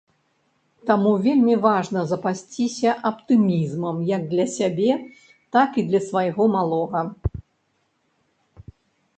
Таму вельмі важна запасціся аптымізмам як для сябе, так і для свайго малога.